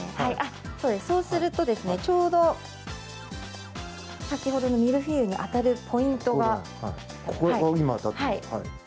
そうするとちょうど先ほどのミルフィーユポイントに当たるポイントが。